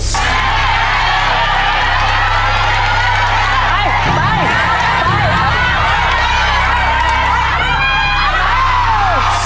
ไปครับ